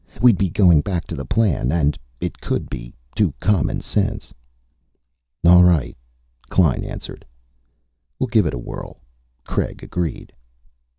We'd be going back to the plan. And, it could be, to common sense." "All right," Klein answered. "We'll give it a whirl," Craig agreed.